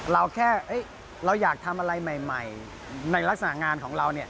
เราแค่เราอยากทำอะไรใหม่ในลักษณะงานของเรา